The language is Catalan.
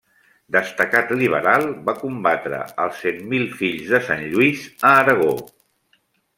Destacat liberal, va combatre els Cent Mil Fills de Sant Lluís a Aragó.